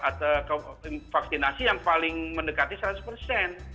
jadi kita harus mencapai angka reproduksi yang paling optimal yaitu sekian